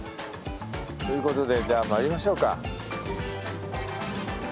ということでじゃあ参りましょうか。